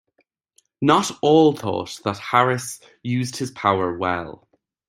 Not all thought that Harris used his power well.